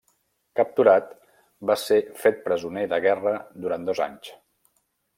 Capturat, va ser fet presoner de guerra durant dos anys.